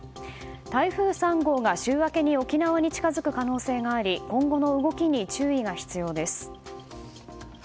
台風３号が週明けに沖縄に近づく可能性があり今後の動きに注意が必要です。